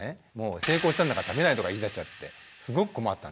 「成功したんだから食べない」とか言いだしちゃってすごく困った。